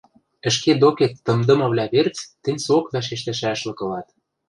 Ӹшке докет тымдымывлӓ верц тӹнь соок вӓшештӹшӓшлык ылат.